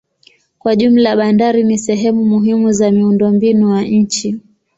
Kwa jumla bandari ni sehemu muhimu za miundombinu wa nchi.